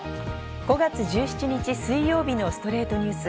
５月１７日、水曜日の『ストレイトニュース』。